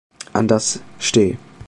An das Ste.